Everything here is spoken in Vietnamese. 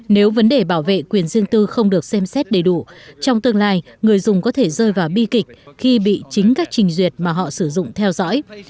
nếu vấn đề bảo vệ quyền dương tư không được xem xét đầy đủ trong tương lai người dùng có thể rơi vào bi kịch khi bị chính các trình duyệt mà họ sử dụng theo dõi